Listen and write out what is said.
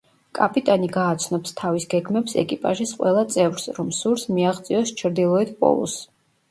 კაპიტანი გააცნობს თავის გეგმებს ეკიპაჟის ყველა წევრს, რომ სურს მიაღწიოს ჩრდილოეთ პოლუსს.